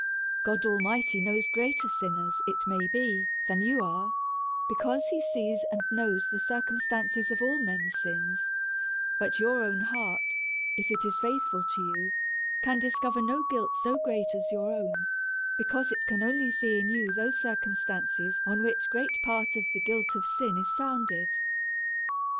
God Al' DEVOUT AND HOLY LIFE. 337 mighty knows greater sinners it may be than you are ; because he sees and knows the circumstances of all men's sins : But your own heart, if it is faithful to you, can discover no guilt so great as yonr own ; because it can only see in you those circumstances, on which great part of the guilt of sin is founded.